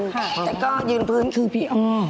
ค่ะเหรอครับก็ยืนพื้นเท้าเผียว